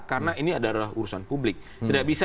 karena ini adalah urusan publik tidak bisa